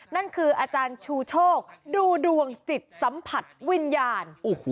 นั่นคืออาจารย์ชูโชคดูดวงจิตสัมผัสวิญญาณ